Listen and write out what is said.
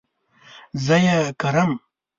زه ئې کرم